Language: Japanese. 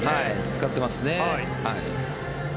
使ってますね。